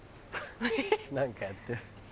何かやってる。